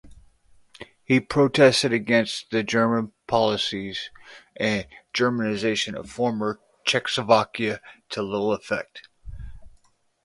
He protested against the German policies and Germanization of former Czechoslovakia to little effect.